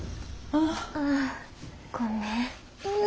ああごめん。